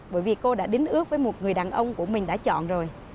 bởi vì cô đã đến ước với một người đàn ông của mình đã chọn rồi